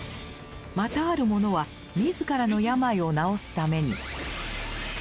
またある者は自らの病を治すために。